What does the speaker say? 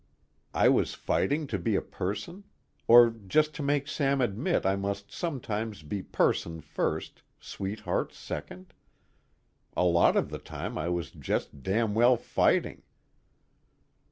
I was fighting to be a person? Or just to make Sam admit I must sometimes be person first, sweetheart second? A lot of the time I was just damn well fighting